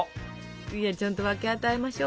いやちゃんと分け与えましょう。